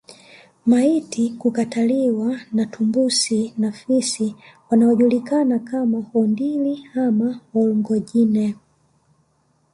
Maiti kukataliwa na tumbusi na fisi wanaojulikana kama Ondili ama Olngojine